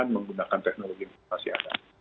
menggunakan teknologi informasi ada